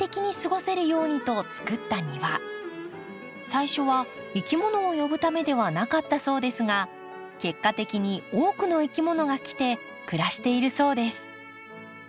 最初はいきものを呼ぶためではなかったそうですが結果的に多くのいきものが来て暮らしているそうです。